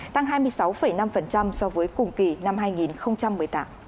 tăng hai mươi sáu năm so với cùng kỳ năm hai nghìn một mươi tám